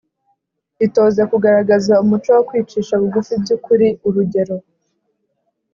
Itoze kugaragaza umuco wo kwicisha bugufi by ukuri urugero